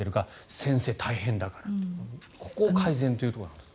先生、大変だから。ここを改善ということですね。